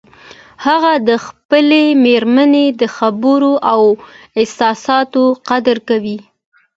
هغه د خپلې مېرمنې د خبرو او احساساتو قدر کوي